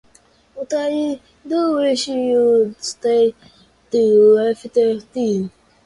But I do wish you’d stay till after tea.